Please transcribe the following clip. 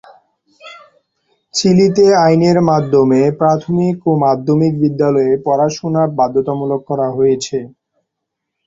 চিলিতে আইনের মাধ্যমে প্রাথমিক ও মাধ্যমিক বিদ্যালয়ে পড়াশোনা বাধ্যতামূলক করা হয়েছে।